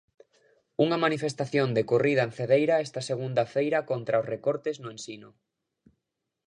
Unha manifestación decorrida en Cedeira esta segunda feira contra os recortes no ensino.